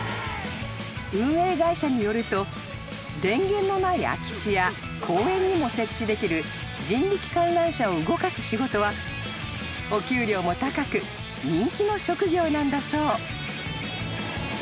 ［運営会社によると電源のない空き地や公園にも設置できる人力観覧車を動かす仕事はお給料も高く人気の職業なんだそう］